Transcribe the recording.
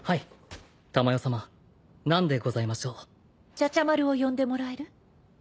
茶々丸を呼んでもらえる？